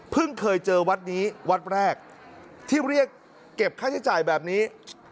เคยเจอวัดนี้วัดแรกที่เรียกเก็บค่าใช้จ่ายแบบนี้